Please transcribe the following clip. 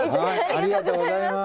ありがとうございます。